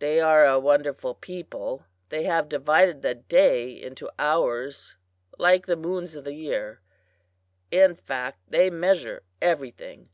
"They are a wonderful people. They have divided the day into hours, like the moons of the year. In fact, they measure everything.